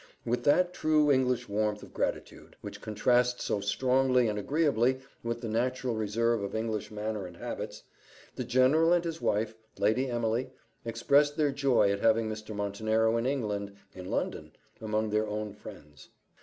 With that true English warmth of gratitude, which contrasts so strongly and agreeably with the natural reserve of English manner and habits, the general and his wife, Lady Emily, expressed their joy at having Mr. Montenero in England, in London, among their own friends.